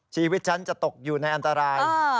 ชีวิตฉันจะตกอยู่ในอันตราย